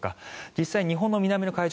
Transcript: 実際、日本の南の海上